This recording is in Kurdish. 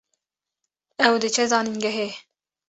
Ew diçe zanîngehê